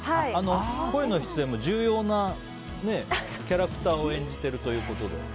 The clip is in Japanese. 声の出演も重要なキャラクターを演じてるということで。